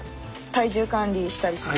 体重管理したりします。